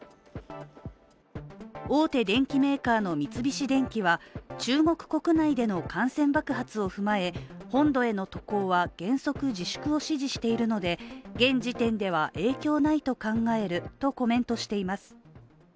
大手電機メーカーの三菱電機は中国国内での感染爆発を踏まえ、本土への渡航は、原則自粛を指示しているので現時点では影響ないと考えるとコメントしています。